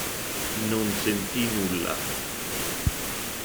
Non sentì nulla.